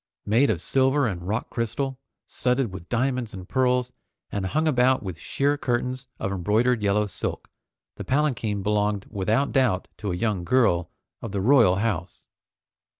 Made of silver and rock crystal, studded with diamonds and pearls, and hung about with sheer curtains of embroidered yellow silk, the palanquin belonged without doubt to a young girl of the royal house.